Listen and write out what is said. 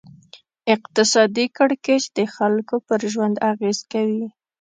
اقتصادي کړکېچ د خلکو پر ژوند اغېز کوي.